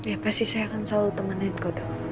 ya pasti saya akan selalu temani dok